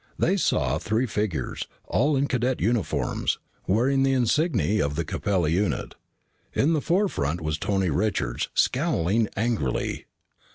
They saw three figures, all in cadet uniforms, wearing the insigne of the Capella unit. In the forefront was Tony Richards scowling angrily.